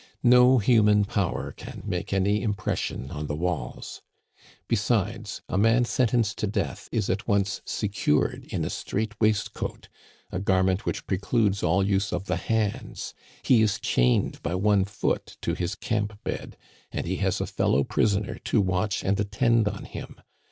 No human power can make any impression on the walls. Besides, a man sentenced to death is at once secured in a straitwaistcoat, a garment which precludes all use of the hands; he is chained by one foot to his camp bed, and he has a fellow prisoner to watch and attend on him.